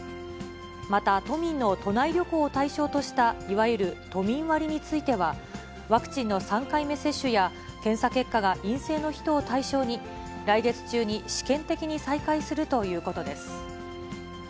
また都民の都内旅行を対象としたいわゆる都民割については、ワクチンの３回目接種や、検査結果が陰性の人を対象に、来月中に試験的に再開するということです。